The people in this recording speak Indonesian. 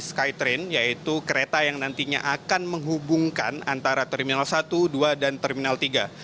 skytrain yaitu kereta yang nantinya akan menghubungkan antara terminal satu dua dan terminal tiga